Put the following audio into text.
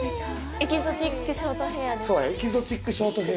エキゾチックショートヘア？